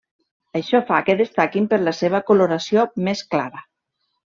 Això fa que destaquin per la seva coloració més clara.